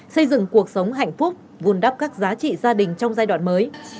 xây dựng cuộc sống hạnh phúc vùn đắp các giá trị gia đình trong giai đoạn mới